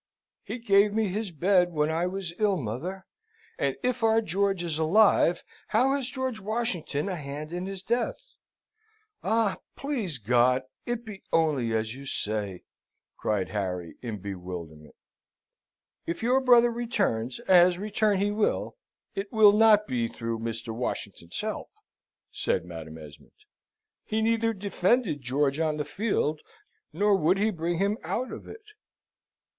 "He gave me his bed when I was ill, mother; and if our George is alive, how has George Washington a hand in his death? Ah! please God it be only as you say," cried Harry, in bewilderment. "If your brother returns, as return he will, it will not be through Mr. Washington's help," said Madam Esmond. "He neither defended George on the field, nor would he bring him out of it."